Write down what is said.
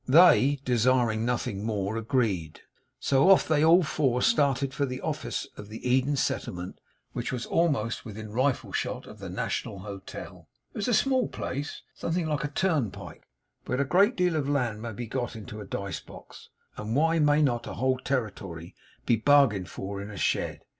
They, desiring nothing more, agreed; so off they all four started for the office of the Eden Settlement, which was almost within rifle shot of the National Hotel. It was a small place something like a turnpike. But a great deal of land may be got into a dice box, and why may not a whole territory be bargained for in a shed?